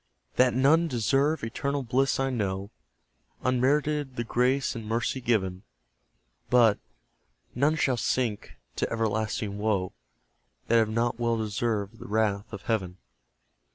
That none deserve eternal bliss I know; Unmerited the grace in mercy given: But, none shall sink to everlasting woe, That have not well deserved the wrath of Heaven.